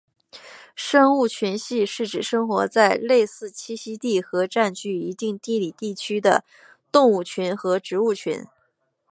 生物群系是指生活在类似栖息地和占据一定地理地区的动物群和植物群。